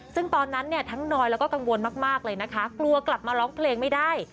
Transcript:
ซึ่งตอนนั้นเนี่ยทั้งนอยแล้วก็กังวลมากเลยนะคะกลัวกลับมาร้องเพลงไม่ได้